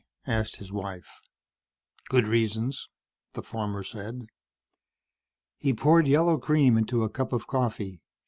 asked his wife. "Good reasons," the farmer said. He poured yellow cream into a cup of coffee.